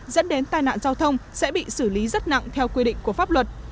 dẫn đến tai nạn giao thông sẽ bị xử lý rất nặng theo quy định của pháp luật